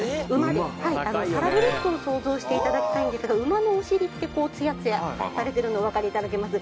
はいサラブレッドを想像していただきたいんですが馬のお尻ってツヤツヤされてるのお分かりいただけます